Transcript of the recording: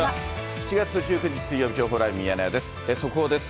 ７月１９日水曜日、情報ライブミヤネ屋です。